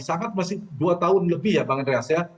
sangat masih dua tahun lebih ya bang andreas ya